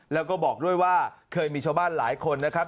แล้วก็บอกด้วยว่าเคยมีชาวบ้านหลายคนนะครับ